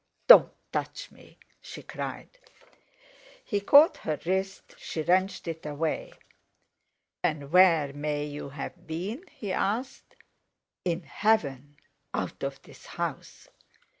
"Don't touch me!" she cried. He caught her wrist; she wrenched it away. "And where may you have been?" he asked. "In heaven—out of this house!"